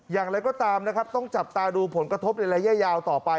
อย่างไรก็ตามนะครับต้องจับตาดูผลกระทบในระยะยาวต่อไป